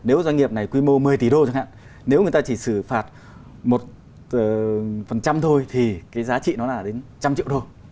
nếu doanh nghiệp này quy mô một mươi tỷ đô chẳng hạn nếu người ta chỉ xử phạt một phần trăm thôi thì giá trị nó là đến trăm triệu đô